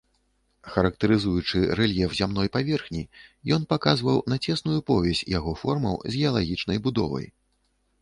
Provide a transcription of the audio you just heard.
Характарызуючы рэльеф зямной паверхні, ён паказваў на цесную повязь яго формаў з геалагічнай будовай.